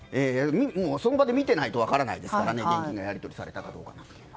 その場で見ていないと分からないですから現金がやり取りされたかどうか。